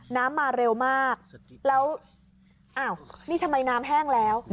มาเร็วมากแล้วอ้าวนี่ทำไมน้ำแห้งแล้ว